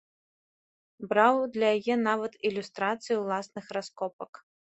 Браў для яе нават ілюстрацыі ўласных раскопак.